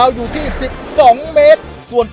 แล้ววันนี้ผมมีสิ่งหนึ่งนะครับเป็นตัวแทนกำลังใจจากผมเล็กน้อยครับ